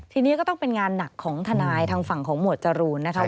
ทีนี้ก็ต้องเป็นงานหนักของทนายทางฝั่งของหมวดจรูนนะคะ